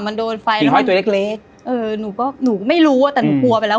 มันโดนไฟหิ่งห้อยตัวเล็กเล็กเออนูก็นูไม่รู้อะแต่นูไปแล้ว